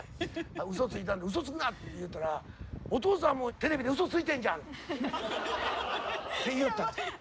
うそついたんで「うそつくな！」って言うたら「お父さんもテレビでうそついてんじゃん！」って言いよったんで。